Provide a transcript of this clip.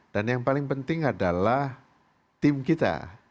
dan yang paling penting adalah tim kita